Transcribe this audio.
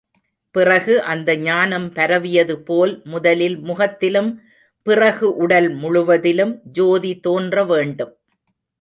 பிறகு அந்த ஞானம் பரவியது போல் முதலில் முகத்திலும் பிறகு உடல் முழுவதிலும் ஜோதி தோன்ற வேண்டும்.